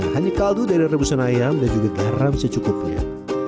hanya kaldu dari rebusan ayam dan juga garam secukupnya